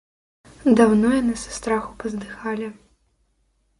Даўно яны са страху паздыхалі.